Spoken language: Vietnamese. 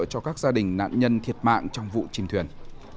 cho các gia đình nạn nhân thiệt mạng trong vụ chìm thuyền